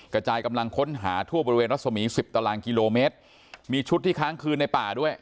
กระจายกำลังค้นหาทั่วบริเวณรัศมีสิบตารางกิโลเมตรมีชุดที่ค้างคืนในป่าด้วย